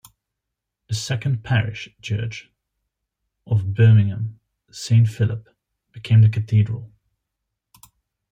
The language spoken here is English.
The second parish church of Birmingham, Saint Philip, became the cathedral.